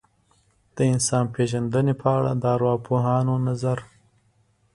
د انسان پېژندنې په اړه د ارواپوهانو نظر.